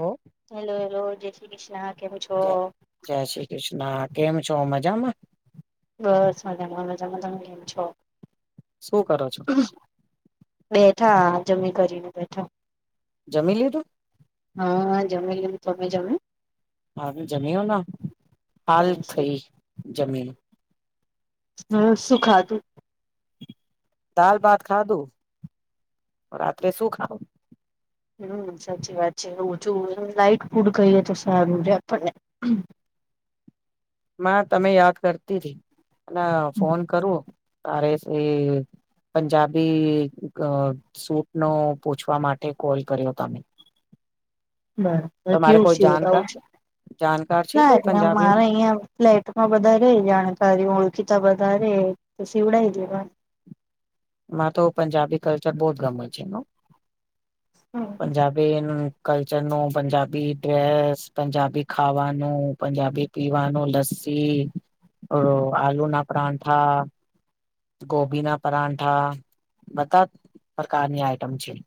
ઓ hello, hello, જય શ્રી કૃષ્ણા કેમ છો? હા કેમ છો, મજામાં? બસ [unintelligible] તમે કેમ છો? શું કરો છો બેઠા જમી કરીને બેઠા જમી લીધું? હા, જમી લીધું અમે, તમે જમી? [unintelligible] જમી આવને [unintelligible] થઈ હમ જમીને હમ્મ, શું ખાધું? દાલ-ભાત ખાધું. શું ખાવ? [unintelligible] હમ્મ સાચી વાત છે. [inaudible] લાઈટ ફુડ ખાઈએ તો સારુ રે આપણ ને. તમને યાદ કરતી હતી, અને ફોન કરું અરે એ પંજાબી સૂટનો પૂછવા માટે કોલ કર્યો તમ? [inaudible] બરાબર કેવું સિવડાવવુ જાણકાર છે.? જાણકાર છે કોઈ ના, પંજાબી મારે અહીંયા ફ્લેટમાં બધા રેય જાણકારી ઓ ઓળખીતા [unintelligible] બધાં રેય તો શીવડાય દેવાનો મને તો પંજાબી કલ્ચર બોવ જ ગમે છે. એનું દેવાનું પંજાબી નું કલ્ચરનું, પંજાબી ડ્રેસ, પંજાબી ખાવાનું, પંજાબી પીવાનું, લસ ઓ, આલુના પરાઠા ગોભીના પરાઠા બધા પ્રકારની આઈટમ છે.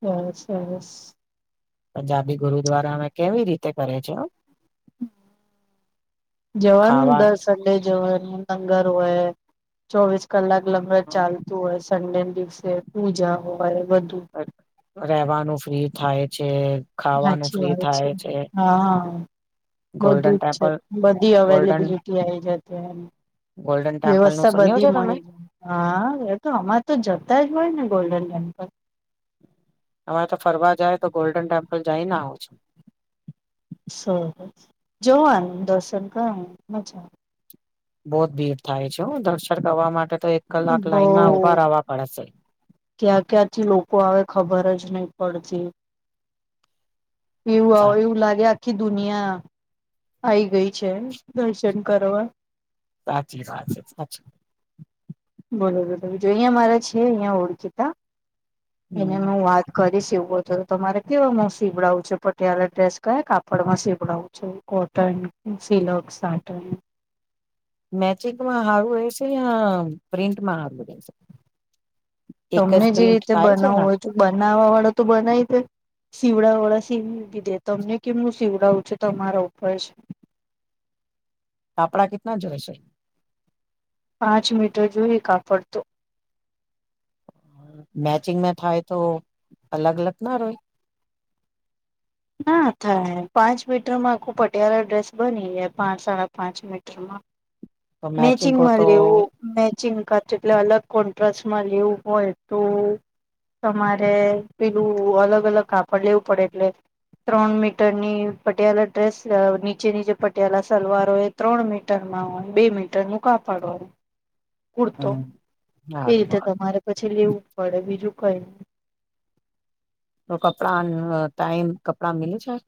બવ, સરસ પંજાબી ગુરુ દ્વારા અમે કેવી રીતે કરે છે.? જવાનું ને, ખાવા દર સન્ડે જવાનું લંગર હોય ચોવીસ કલાક લંગર ચાલતું હોય, સન્ડે ના દિવસે પૂજા હોય બધુ રેવાનું ફ્રી થાય છે. ખાવાનું સાચી ફ્રી વાત છે થાય હા. ગોલ્ડન બધું જ છે, ટેમ્પલ બધી ગોલ્ડન અવેલેબિલિટી આવી જાય. ગોલ્ડન ટેમ્પલ નું વ્યવસ્થા સુન્યું છે બધી તમે મળી જાય, હા એ તો અમાં તો જતાય હોય ને ગોલ્ડન ટેમ્પલ તો ફરવા જાય તો, ગોલ્ડન ટેમ્પલ જઈને આવું છે. હંઅ જોવાનું, દર્શન કરવાના, મજા આવે. ભીડ થાય છે હો દર્શન કરવા માટે. તો એક કલાક બઉ લાઈનમાં ઉભા રહેવા પડશે. ક્યાં ક્યાંથી લોકો આવે ખબર જ નહી પડતી, એવું સા આવે એવું લાગ્યા. આખી દુનિયા આવી ગઈ છે, દર્શન કરવા સાચી સાત છે સાચી બોલો બોલો જો અહિયા મારા છે, અહિયાં ઓળખીતા એને હમ હું વાત કરીશ. એવું હોય તો તમારે કેવામાં સીવડાવું છે, પટિયાલા ડ્રેસ કયા, કાપડ માં સીવડાવું છે કોટન સીલોક સાટ ન [inaudible] મેચિંગમાં હારું રહેશે યા, પ્રિન્ટમાં હારું રહેશે એક જ તમને જે પ્રિન્ટ રીતે થાય છે ને બનાવવું હોય, બનાવા વાળો તો બનાવી દે સીવડા વાળો પશી દીધે તમને કેમું શિવડાવું છે, તમારા ઉપર છે. આપડા કેટલા જોઈશે. પાંચ મીટર જોઈએ કાપડતો. મેચિંગમાં થાય તો, અલગ અલગ ના હોય ના થાય, પાંચ મીટરમાં આખું પટિયાળા ડ્રેસ બની જાય પાંચ સાડા પાંચ મીટરમાં [inaudible] મેચિંગ હો મેચિંગમાં તો લેવું ને ચિંકા એટલે, અલગ કોન્ટ્રામાં લેવું હોય તો તમારે પેલું, અલગ અલગ કાપડ લેવું પડે એટલે ત્રણ મીટરની પટિયાલા ડ્રેસ નીચે ની જેે પટિયાલા સલવાર હોય, એ ત્રણ મીટરમાં હોય બે મીટર નું કાપાડવાનું હોય, કૂરતો હમ એ હારું રીતે હારું તમારે પછી લેવું પડે બીજું કઈ તો કપડા, આમ ટાઈમ કપડા મીલી જાય?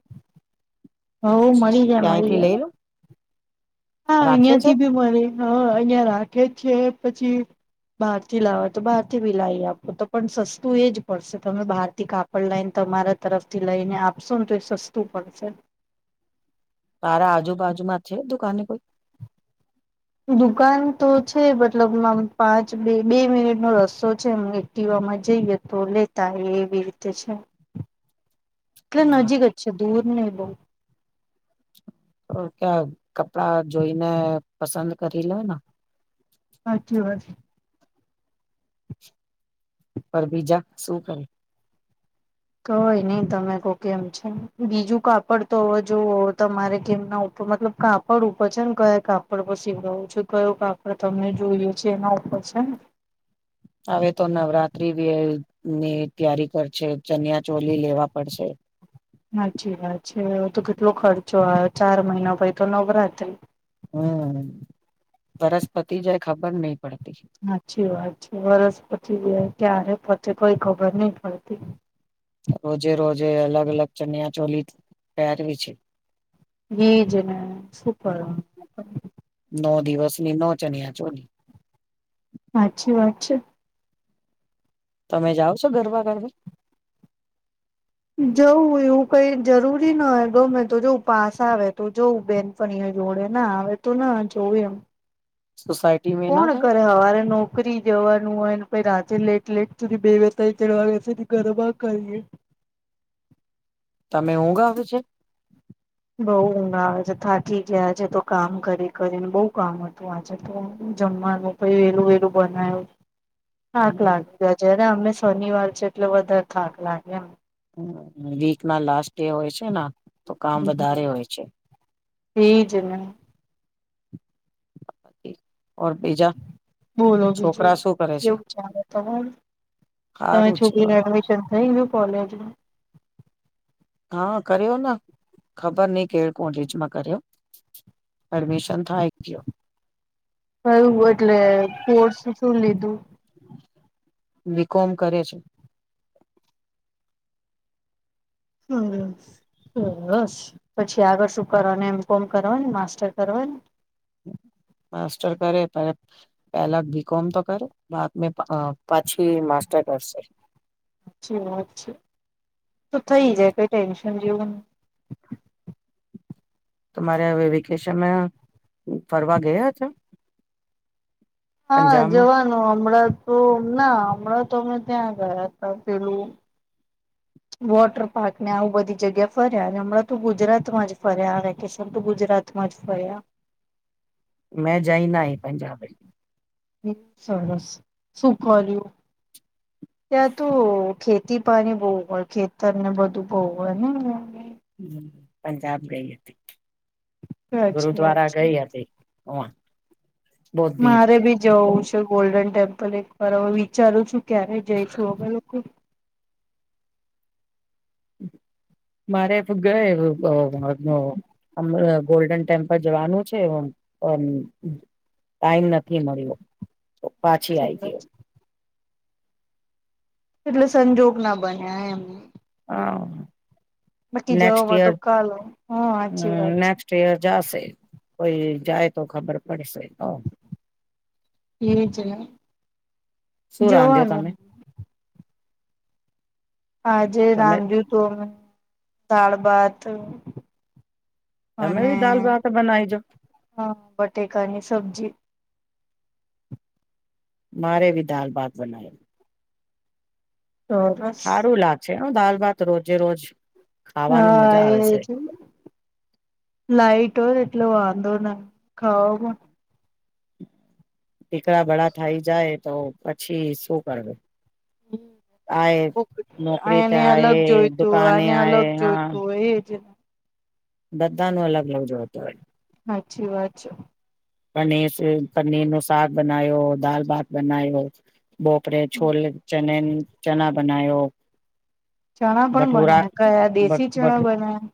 હવ મળી જાય મળી ક્યાંયથી લઈ જાય લું હા અહિયાં થી બી મરી, હ અહિયાં રાખે જ છે પછી બહાર થી લાવા તો બહાર થી બી લઈ આપો તો પણ સસ્તું, એ જ પડશે તમે બહાર થી કાપડ લાઈને ત તમારા તરફથી લઈને આપશોને તો, એ સસ્તું પડશે તારા આજુબાજુમાં છે, દુકાને કોઈ દુકાન તો છે, મતલબ માં પાંચ બે બે મિનિટ નો રસ્તો છે એથી વામાં જઈએ, તો લેતાય એવી રીતે છે. એટલે હા, નજીક જ છે દૂર નઈ બહુ તો ક્યાં, કપડા જોઈને પસંદ કરી લેને હાચી વાત પર બીજા શું કરે કઈ નઈ તમે કો કેમ છે, બીજું કાપડ તો જોઓ તમારે કેમ ના ઉપ તો મતલબ કાપડ ઉપર છે, ને કયા કાપડ સીવડાવું છે, કયો કાપડ તમને જોઈએ છે, એના ઉપર અચ્છા [inaudible] હવે તો નવરાત્રી ની તૈયારી કરશે, ચનિયા ચોલી લેવા પડશે હાચિ વાત છે, તો કેટલો ખર્ચો આવ ચાર મહિના પછ તો નવરાત્રી હમ વરસ્પતિ જાય ખબર નહ હાચી વાત છે, વર્સ પછી ગ ક્યારે કોઈ ખબર નહ પડતી રોજે રોજે, અલગ અલગ, ચણિયા ચોલી પહેરવી છે એજને શુપર ની નો ચણ્યા ચોલી હાચી વાત છે. તમે જાઓ છો, ગરબા ગરબે જવું એવું કઈ જરૂરી ન હોય, ગમે તો જોવું પાસ આવે તો જવું બેન ફણીઈ જોડે ના આવે, તો ના જોવું એમ સોસાયટી મે ના કોણ થાય કરે? હવારે નોકરી જવાનું હોય. પછી રાતેે લેટ લેટ સુધી બે વતા ત્રણ વાગ્યાં સુધી ગરબા કરીએ. તમે ઊંઘ ગાવ છે.? બઉ ઊંઘ આવે છે. થાકી ગયા છેે. તો કામ કરી કરીને બઉ કામ હતું. આજે તો, જમવાનું પૈ વેલું વેલું બનાયું. થાક લાગ છે, જ્યારે અમે શનિવાર છે, એટલે વધારે થાક લાગે એમ, વીક ના લાસ્ટ ડે હોય છે ના, તો કામ વધારે હોય છે. એ જ ને હ [inaudible] બોલો બીજું શું કરે છે કેવું ચાલે તમારે.? તમે સારું છે છોકરીને એડમિશન થઈ ગયું કોલેજમાં? હા કર્યો ને ખબર નહ કે, કોઈ કોલેજમાં કર્યો. પરમીશન થા એક કયો.. કયું એટલે કોર્સ શું લીધું.? બી કોમ કરે છે. હમ બસ પછી આગળ શું કરવાનું,? એમ કોમ કરવાની, માસ્ટર કરવાની,? હ [inaudible] માસ્ટર કરે, પેલા બી કોમ તો કરે, બાદ મે પછી તે કરશે. અચ્છા અછા, તો થઈ જાય કોઈ ટન્શન સમજી [unintelligible] તમારે હવે વેકેશનમાં ફરવા ગયા છો? હા જવાનું હમણાં! તો ના હમણાં તો, અમે ત્યાં ગયા હતા પેલું હ [inaudible] વોટર પાર્ક ને, આવું બધી જગ્યા ફર્યા. અને હમણાં તો ગુજરાત માં જ ફર્યા, આ વેકેશન તો ગુજરાત મસ્ત ફર્યા. હ [inaudible] સરસ સુ ખવા્યું? ત્યાં તો ખેતી પાણી બવ હોય, ખેતર ને બધું બહુ હોય ને ત્યા. પંજાબ ગઈ હતી, સાચી વાત ગુરુદ્વારા છે ગઈ હતી, હ [inaudible] મારે બી જવું છે. ગોલ્ડન ટેમ્પલ એક વાર હવે વિચારું છું. ક્યારે જઈશું હવે લોકો? હ [inaudible] મારે ગયા [inaudible] ગોલ્ડન ટેમ્પલ જવાનું છે. ટાઈમ નથી મળ્યો, તો પાછી આઈ ગયો એટલે એટલે સંજોગ ના બન્યા એમને? હા નેક્સ્ટ જવામાં તો ઇયર કાલે હા હ સાચી વાત નેક્સ્ટ ઇયર જાશે. કોઈ જાય તો ખબર પડશે તો એ છે. શું રાંધ્યો જવાનું તમે? આજે તમે રામજું તો દાળ, ભાત, તમે અને બી દાલ ભાત બનાવીજો હ બટેકાની સબ્જી. મારે બી દાલ, ભાત બનાયો. હસ સારું [inaudible] લાગશે દાલ, ભાત રોજે રોજ, ખાવાનું હા, મજા આવે છે એજ લાઈટ હોય ને લો આંધો ના ખાઓ મા દીકરા ભળ થઇ જાય, તો પછી શું કરવું હમ કો નોકરી આને અલગ થાય જોઈતું, દુકાને આને અલગ આય હા જોઈતું હોય એજ બધા નું અલગ, અલગ જોતો હોય હાચી વાત છે. પનીર, પનીર નો શક બનાવ્યો, દાલ ભાત બનાયો બોપરે છોલે, ચને ચણા બનાયો ચણા પણ બનાયા કયા, દેશી ચણા બનાયા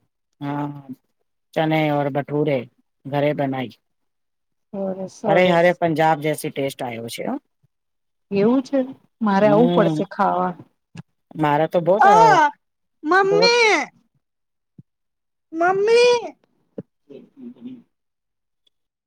હા, ચને ભઠૂરે ઘરે બનાઈ સરસ અરે, સરસ અરે પંજાબ જેસી ટેસ્ટ આવ્યો છે એવું છે, મારે આવું હમ પડશે ખાવા તો બહત અ હ બહત મમી